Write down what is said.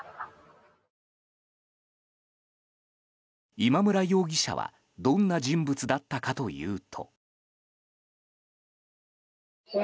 今村容疑者はどんな人物だったかというと。